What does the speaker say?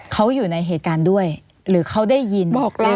เขาอยู่ในเหตุการณ์ด้วยหรือเขาได้ยิน